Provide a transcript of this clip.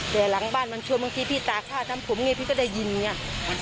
แต่หลังบ้านมันชวนบางทีพี่ตาฆ่าทำผมไงพี่ก็ได้ยินไง